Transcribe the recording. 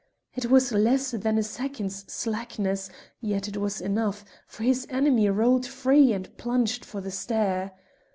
It was less than a second's slackness, yet it was enough, for his enemy rolled free and plunged for the stair.